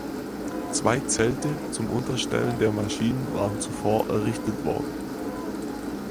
Zwei Zelte zum Unterstellen der Maschinen waren zuvor errichtet worden.